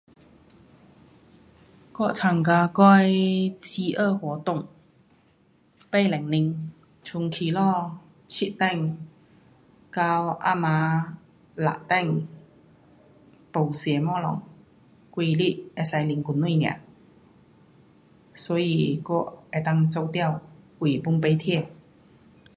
我参加我的饥饿活动，八点钟。从起早七点到暗晚六点，没吃东西，几日可以喝滚水尔，所以我能够做掉，我胃 pun 不痛。